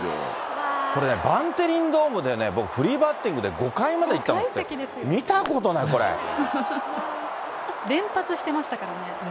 これね、バンテリンドームで、僕、フリーバッティングで５階までいったのって、見たこ連発してましたからね。